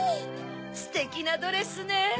ステキなドレスね。